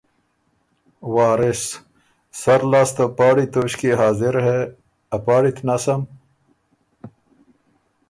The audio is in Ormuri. وارث: ”سر لاسته پاړی توݭکيې حاضر هې“ ا پاړی ت نسم؟